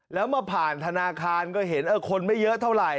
แล้วมาผ่านธนาคารก็เห็นคนไม่เยอะเท่าไหร